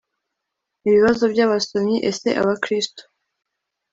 Ibibazo by abasomyi Ese Abakristo